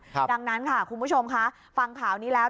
ดังนั้นค่ะคุณผู้ชมคะฟังข่าวนี้แล้ว